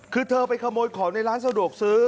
คือเธอไปขโมยของในร้านสะดวกซื้อ